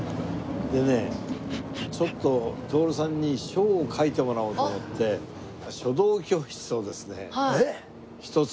でねちょっと徹さんに書を書いてもらおうと思って書道教室をですねひとつ。